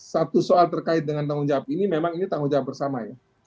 satu soal terkait dengan tanggung jawab ini memang ini tanggung jawab bersama ya